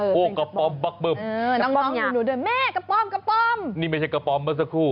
โหกระป้อมคืนหนูด้วยแม่กระป้อมนี้ไม่ใช่กระป้อมเมื่อสักครู่